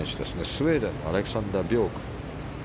スウェーデンのアレクサンダー・ビョーク。